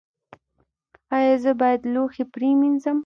ایا زه باید لوښي پریمنځم؟